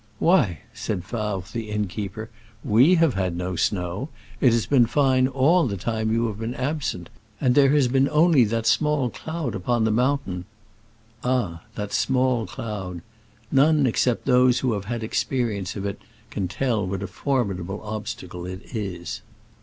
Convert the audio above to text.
"Why," said Favre, the innkeeper, " we have had no snow : it has been fine all the time you have been absent, and there has been only that small cloud upon the moun tain.'* Ah ! that small cloud ! None except those who have had experience of it can tell what a formidable obstacle it is.